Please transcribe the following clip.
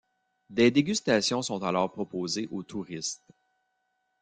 Des dégustations sont alors proposées au touristes.